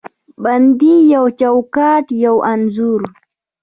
بندې یو چوکاټ، یوه انځور